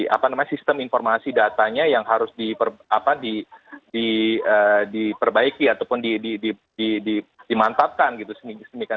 apa namanya sistem informasi datanya yang harus diperbaiki ataupun dimantapkan gitu